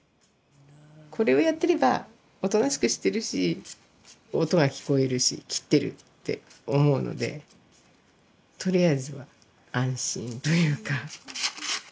これをやってればおとなしくしてるし音が聞こえるし切ってるって思うのでとりあえずは安心というか。